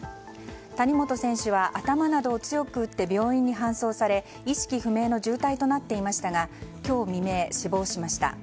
谷本選手は頭などを強く打って病院に搬送され意識不明の重体となっていましたが今日未明、死亡しました。